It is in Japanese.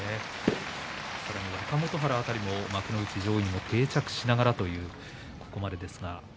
さらに若元春辺りも幕内上位に定着しながらというところがあります。